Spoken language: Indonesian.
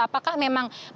apakah memang benar